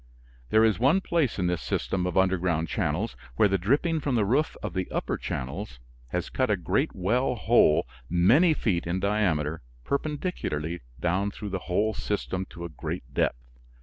There is one place in this system of underground channels where the dripping from the roof of the upper channels has cut a great well hole many feet in diameter perpendicularly down through the whole system to a great depth.